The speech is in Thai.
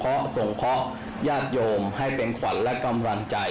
ก็เป็นเรื่องของความเชื่อความศรัทธาเป็นการสร้างขวัญและกำลังใจ